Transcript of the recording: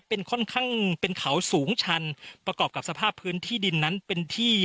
เป็นค่อนข้างเป็นเขาสูงชันประกอบกับสภาพพื้นที่ดินนั้นเป็นที่